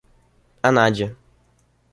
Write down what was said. Anadia